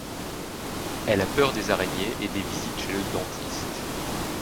Elle a peur des araignées et des visites chez le dentiste.